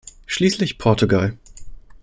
Schließlich Portugal.